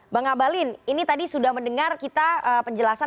bang abalin ini tadi sudah mendengar kita penjelasan